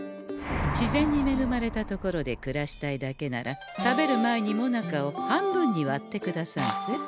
自然にめぐまれた所で暮らしたいだけなら食べる前にもなかを半分に割ってくださんせ。